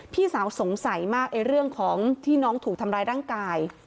พี่สาวสงสัยมากเรื่องของที่น้องถูกทำร้ายร่างกาย